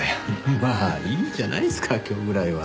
まあいいじゃないっすか今日ぐらいは。